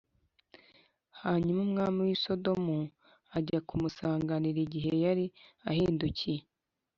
Hanyuma umwami w’i Sodomu ajya kumusanganira igihe yari ahindukiye